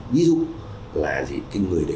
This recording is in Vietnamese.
ví dụ là người đấy